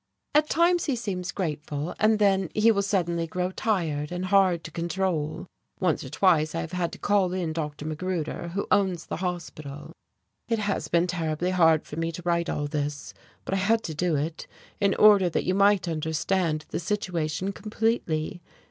At times he seems grateful, and then he will suddenly grow tired and hard to control. Once or twice I have had to call in Dr. Magruder, who owns the hospital. "It has been terribly hard for me to write all this, but I had to do it, in order that you might understand the situation completely.